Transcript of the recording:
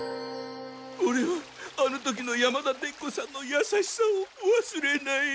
オレはあの時の山田伝子さんのやさしさをわすれない。